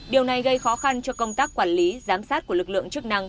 điều này gây khó khăn cho công tác quản lý giám sát của lực lượng chức năng